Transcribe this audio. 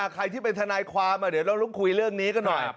ใครที่เป็นทนายความเดี๋ยวเราต้องคุยเรื่องนี้กันหน่อย